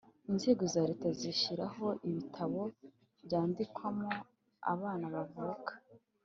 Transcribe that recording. Inzego za Leta zishyiraho ibitabo byandikwamo abana bavuka